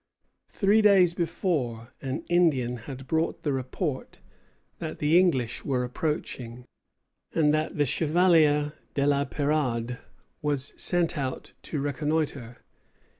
Three days before, an Indian had brought the report that the English were approaching; and the Chevalier de la Perade was sent out to reconnoitre.